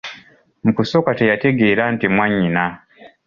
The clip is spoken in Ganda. Mu kusooka teyategeera nti mwanyina.